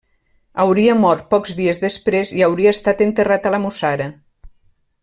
Hauria mort pocs dies després i hauria estat enterrat a la Mussara.